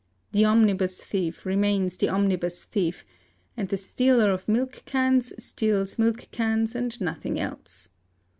The omnibus thief remains the omnibus thief; and the stealer of milk cans steals milk cans and nothing else.